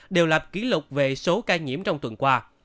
đều là kỷ lục về số ca nhiễm trong tuần qua